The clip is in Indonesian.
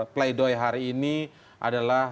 play doh hari ini adalah